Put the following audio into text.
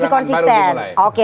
konsisten perjuangan baru dimulai